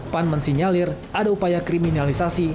pan men sinyalir ada upaya kriminalisasi